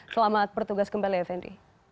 selamat bertugas kembali fnd